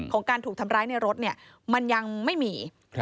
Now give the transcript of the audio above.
ของการถูกทำร้ายในรถมันยังไม่มี